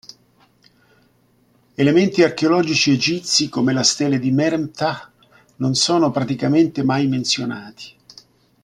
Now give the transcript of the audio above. Elementi archeologici egizi come la Stele di Merenptah non sono praticamente mai menzionati.